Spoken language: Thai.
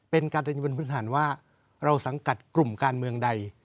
เป็นการเดินบนพื้นฐานว่าเราสังกัดกลุ่มการเมืองใด